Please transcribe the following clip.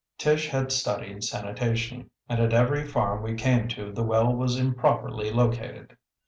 Tish had studied sanitation, and at every farm we came to the well was improperly located.